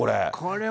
これ？